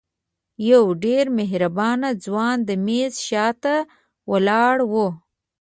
یو ډېر مهربانه ځوان د میز شاته ولاړ و.